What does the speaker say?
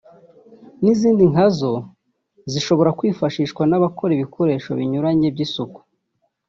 n’izindi nka zo zishobora kwifashishwa n’abakora ibikoresho binyuranye by’isuku